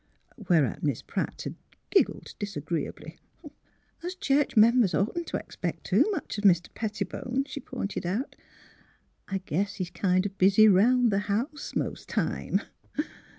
" Whereat Miss Pratt had giggled disagreeably. *' Us church members oughtn't t' expect too much of Mr. Pettibone," she pointed out. ^' I guess he's kind of busy 'round the house most the time.